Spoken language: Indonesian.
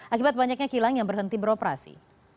akibat banyaknya kilang yang berhenti beroperasi